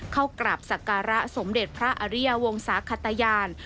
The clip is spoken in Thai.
เข้ากราบศักระสมเด็จพระอริยาวงศาขตยาน